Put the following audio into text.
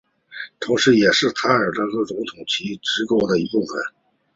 同时也是塔吉克总统旗构成的一部分